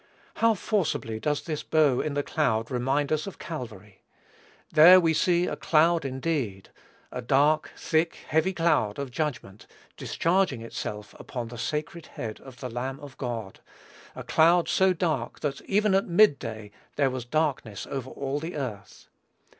How forcibly does this bow in the cloud remind us of Calvary. There we see a cloud indeed, a dark, thick, heavy cloud of judgment, discharging itself upon the sacred head of the Lamb of God, a cloud so dark, that even at mid day "there was darkness over all the earth."